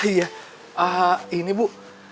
iya ini bu